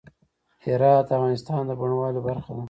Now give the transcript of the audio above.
هرات د افغانستان د بڼوالۍ برخه ده.